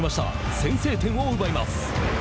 先制点を奪います。